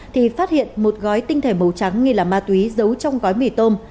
thì phát hiện một gói tinh thể màu trắng nghi là ma túy giấu trong gói mì tôm